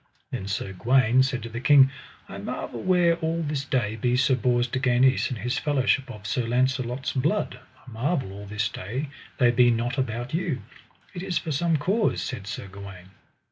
Then Sir Gawaine said to the king: I marvel where all this day [be] Sir Bors de Ganis and his fellowship of Sir Launcelot's blood, I marvel all this day they be not about you: it is for some cause said Sir Gawaine.